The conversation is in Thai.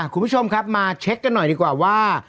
คุณผู้ชมครับมาเช็คกันหน่อยดีกว่าว่า